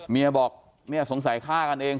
เมียบอกเนี่ยสงสัยฆ่ากันเอง